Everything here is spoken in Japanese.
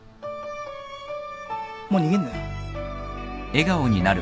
もう逃げんなよ。